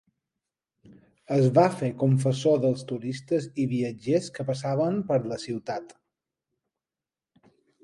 Es va fer confessor dels turistes i viatgers que passaven per la ciutat.